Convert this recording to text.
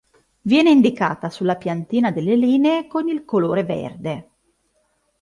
Viene indicata sulla piantina delle linee con il colore verde.